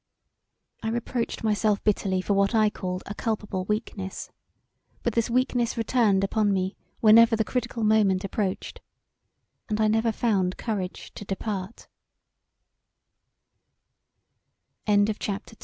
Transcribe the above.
I reproached myself bitterly for what I called a culpable weakness; but this weakness returned upon me whenever the critical moment approached, and I never found courage to depar